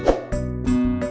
gak ada apa apa